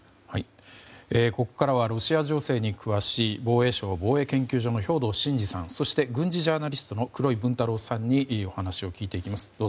ここからはロシア情勢に詳しい防衛省防衛研究所の兵頭慎治さんそして軍事ジャーナリストの黒井文太郎さんにお話を聞いていきます。